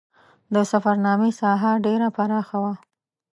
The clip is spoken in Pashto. د سفرنامې ساحه ډېره پراخه وه.